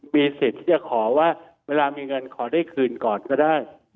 มีสิทธิ์ที่จะขอว่าเวลามีเงินขอได้คืนก่อนก็ได้